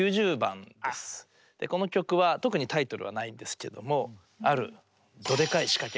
この曲は特にタイトルはないんですけどもどデカイしかけ。